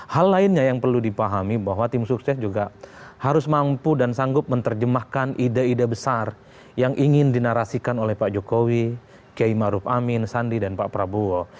hal lainnya yang perlu dipahami bahwa tim sukses juga harus mampu dan sanggup menerjemahkan ide ide besar yang ingin dinarasikan oleh pak jokowi kiai maruf amin sandi dan pak prabowo